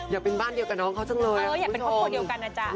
อยากเป็นบ้านเดียวกับน้องเขาจังเลยคุณผู้ชม